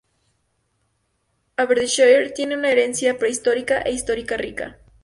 Aberdeenshire tiene una herencia prehistórica e histórica rica.